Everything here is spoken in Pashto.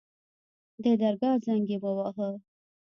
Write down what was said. د درګاه زنګ يې وواهه.